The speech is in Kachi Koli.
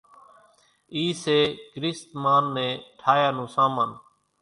اِي سي ڪريست مان نين ٺاھيا نون سامان